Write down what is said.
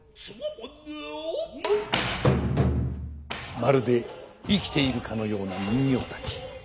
まるで生きているかのような人形たち。